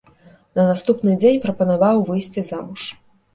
На наступны дзень прапанаваў выйсці замуж.